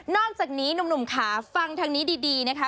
อกจากนี้หนุ่มค่ะฟังทางนี้ดีนะคะ